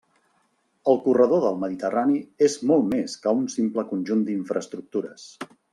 El corredor del Mediterrani és molt més que un simple conjunt d'infraestructures.